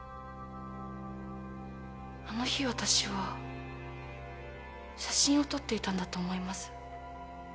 あの日私は写真を撮っていたんだと思います。